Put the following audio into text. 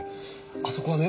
あそこはね